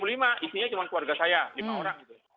isinya cuma keluarga saya lima orang